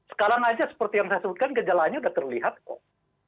sekarang aja seperti yang saya sebutkan gejalanya sudah terlihat kok